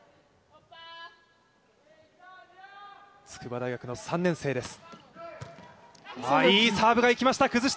筑波大学の３年生です。